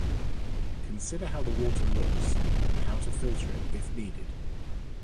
Consider how the water looks and how to filter it if needed.